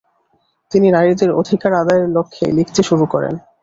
তিনি নারীদের অধিকার আদায়ের লক্ষ্যে লিখতে শুরু করেন।